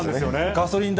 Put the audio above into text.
ガソリン代